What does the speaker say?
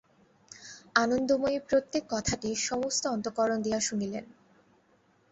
আনন্দময়ী প্রত্যেক কথাটি সমস্ত অন্তঃকরণ দিয়া শুনিলেন।